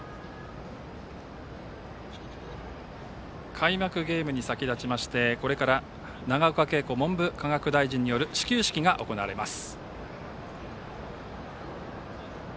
開幕ゲームに先立ちましてこれから永岡桂子文部科学大臣による始球式が行われます。